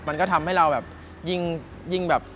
มันก็ทำให้เรายิ่ง